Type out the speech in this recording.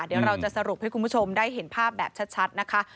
เดี๋ยวเราจะสรุปให้คุณผู้ชมได้เห็นภาพแบบชัดนะคะ